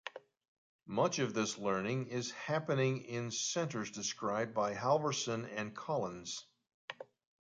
Much of this learning is happening in centers described by Halverson and Collins.